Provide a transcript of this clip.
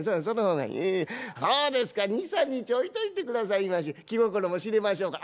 そうですか２３日置いといてくださいまし。